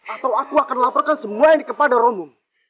atau aku akan laporkan semua ini kepada romo